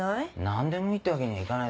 何でもいいってわけにはいかないだろ？